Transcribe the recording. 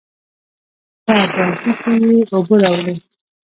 پۀ بالټي کښې ئې اوبۀ راوړې ـ